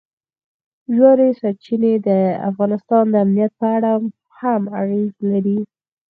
ژورې سرچینې د افغانستان د امنیت په اړه هم اغېز لري.